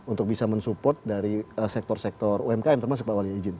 untuk bisa mensupport dari sektor sektor umkm termasuk pak wali ijin